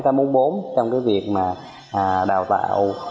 trong việc đào tạo